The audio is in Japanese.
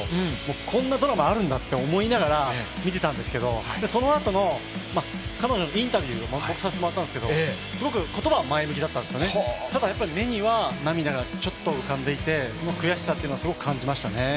こんなドラマあるんだと思いながら、見てたんですけどそのあとの彼女のインタビューも僕、させてもらったんですけどすごく言葉は前向きだったんですよね、ただ目にはちょっと浮かんでいてその悔しさというのは感じましたね。